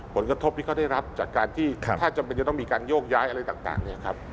ผลกระทบที่เขาได้รับจากการที่ถ้าจำเป็นจะต้องมีการโยกย้ายอะไรต่างเนี่ยครับ